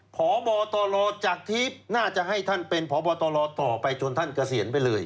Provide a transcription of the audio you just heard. พบตรจากทิพย์น่าจะให้ท่านเป็นพบตรต่อไปจนท่านเกษียณไปเลย